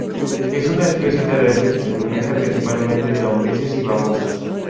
Es una especie terrestre que se alimenta principalmente de lombrices y babosas.